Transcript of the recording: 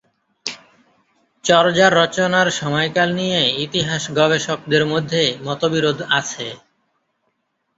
চর্যার রচনার সময়কাল নিয়ে ইতিহাস গবেষকদের মধ্যে মতবিরোধ আছে।